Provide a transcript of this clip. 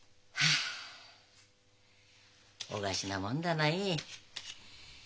あおかしなもんだない。